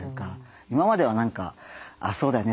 今までは何かそうだよね